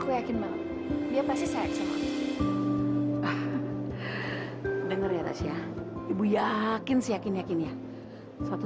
aku yakin malam dia pasti saya denger ya tasya ibu yakin si yakin yakin ya suatu